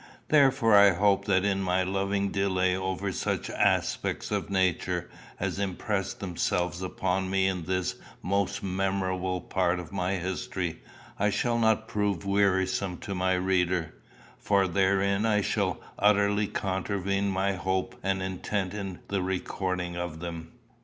Therefore I hope that in my loving delay over such aspects of Nature as impressed themselves upon me in this most memorable part of my history I shall not prove wearisome to my reader, for therein I should utterly contravene my hope and intent in the recording of them.